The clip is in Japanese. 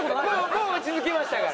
もう落ち着きましたから。